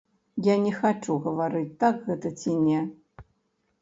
Я не хачу гаварыць, так гэта ці не.